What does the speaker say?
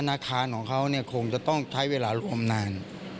อาคารของเขาคงจะต้องใช้เวลารวมนาน